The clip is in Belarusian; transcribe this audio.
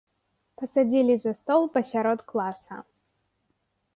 Пасадзілі за стол пасярод класа.